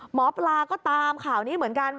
หมอปลาก็ตามข่าวนี้เหมือนกัน